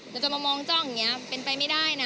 เราจะมามองจ้องอย่างนี้เป็นไปไม่ได้นะ